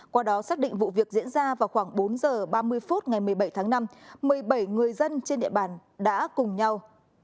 qua đó xác định vụ việc diễn ra vào khoảng bốn h ba mươi phút ngày một mươi bảy tháng năm một mươi bảy người dân trên địa bàn đã cùng nhau